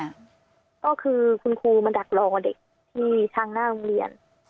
ก็คือคุณครูมาดักรอเด็กที่ทางหน้าโรงเรียน